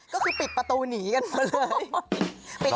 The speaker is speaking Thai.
ก็คือปิดประตูหนีกันมาเลย